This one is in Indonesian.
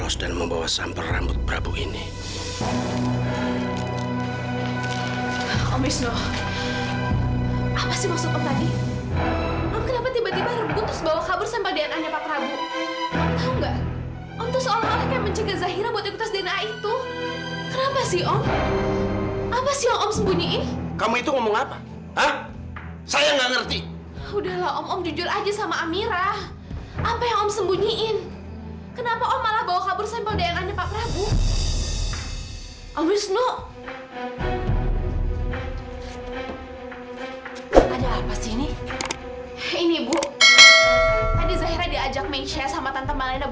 sampai jumpa di video selanjutnya